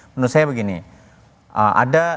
menurut saya begini ada